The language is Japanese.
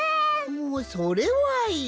おうそれはいい。